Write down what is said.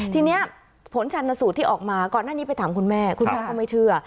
ทีนี้ผลชันสูตรที่ออกมาก่อนหน้านี้ไปถามคุณแม่คุณพ่อก็ไม่เชื่อ